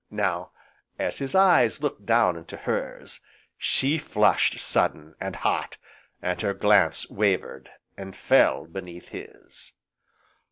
Now, as his eyes looked down into hers, she flushed sudden, and hot, and her glance wavered, and fell beneath his.